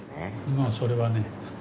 まあそれはね